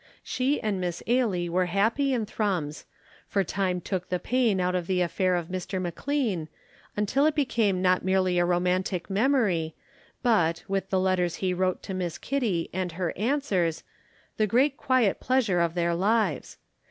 She and Miss Ailie were happy in Thrums, for time took the pain out of the affair of Mr. McLean, until it became not merely a romantic memory, but, with the letters he wrote to Miss Kitty and her answers, the great quiet pleasure of their lives.